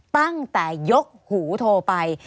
ตั้งแต่ยกหูโทรไป